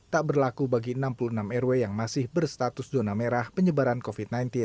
tak berlaku bagi enam puluh enam rw yang masih berstatus zona merah penyebaran covid sembilan belas